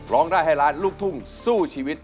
ร้องได้ให้ล้านลูกทุ่งสู้ชีวิต